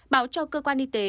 báo cho cơ quan y tế